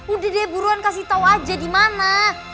udah deh buruan kasih tau aja di mana